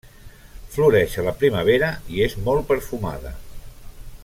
Floreix a la primavera i és molt perfumada.